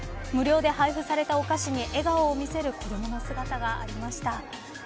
無料で配布されたお菓子に笑顔を見せる子どもの姿がありました。